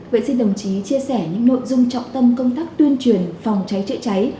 vậy xin đồng chí chia sẻ những nội dung trọng tâm công tác tuyên truyền phòng cháy chữa cháy